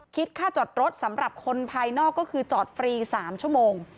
คิดค่าจอดรถสำหรับคนภายนอกก็คือจอดฟรี๓ชั่วโมง